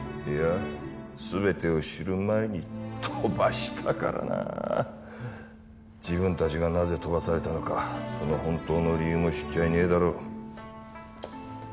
いや全てを知る前に飛ばしたからな自分達がなぜ飛ばされたのかその本当の理由も知っちゃいねえだろう